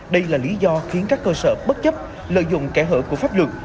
đây là lý do khiến các cơ sở bất chấp lợi dụng kẻ hở của pháp luật